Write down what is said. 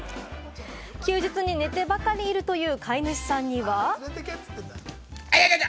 休日に寝てばかりいるという飼い主さんには。